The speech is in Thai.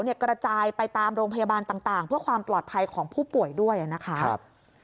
กระจายไปตามโรงพยาบาลต่างเพื่อความปลอดภัยของผู้ป่วยด้วยนะคะ